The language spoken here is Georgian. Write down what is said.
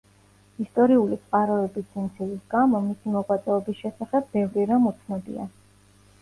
ისტორიული წყაროების სიმცირის გამო, მისი მოღვაწეობის შესახებ ბევრი რამ უცნობია.